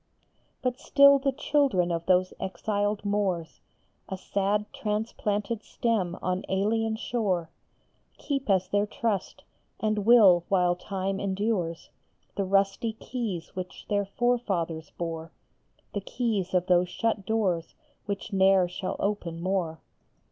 *34 THE KEYS OF GRANADA. But still the children of those exiled Moors, A sad transplanted stem on alien shore, Keep as their trust and will while time endures The rusty keys which their forefathers bore ; The keys of those shut doors which ne er shall open more.